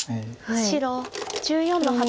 白１４の八。